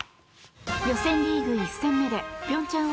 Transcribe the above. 予選リーグ１戦目で平昌